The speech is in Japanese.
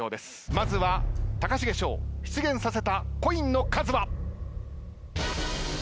まずは高重翔出現させたコインの数は。